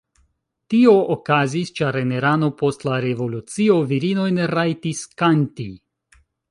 Tio okazis ĉar en Irano post la revolucio virinoj ne rajtis kanti.